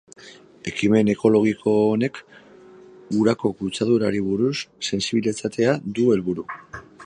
Ekimen ekologiko honek urako kutsadurari buruz sentsibilizatzea du helburu.